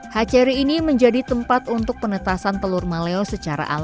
hachery ini menjadi tempat untuk penetasan telur maleo secara alami